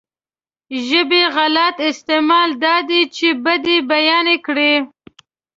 ژبې غلط استعمال دا دی چې بدۍ بيانې کړي.